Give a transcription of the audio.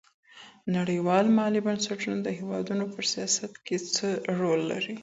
نړيوال مالي بنسټونه د هېوادونو په سياست کي څه رول لري؟